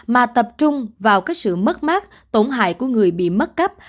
mà tập trung vào sự mất mát tổn hại của người bị mất cắp